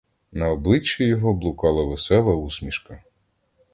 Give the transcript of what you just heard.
На обличчі його блукала весела усмішка.